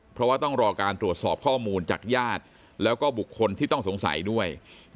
เพราะว่าต้องรอการตรวจสอบข้อมูลจากญาติแล้วก็บุคคลที่ต้องสงสัยด้วย